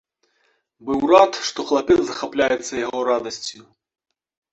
Быў рад, што хлапец захапляецца яго радасцю.